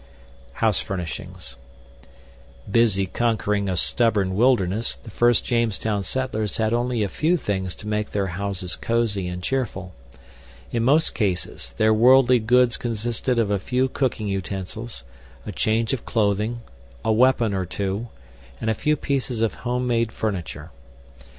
House Furnishings Busy conquering a stubborn wilderness, the first Jamestown settlers had only a few things to make their houses cosy and cheerful. In most cases, their worldly goods consisted of a few cooking utensils, a change of clothing, a weapon or two, and a few pieces of homemade furniture.